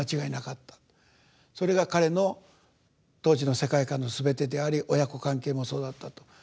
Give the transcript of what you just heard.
それが彼の当時の世界観のすべてであり親子関係もそうだったと。